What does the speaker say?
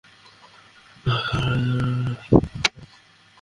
আমার স্যার আপনার সাথে দেখা করতে চান।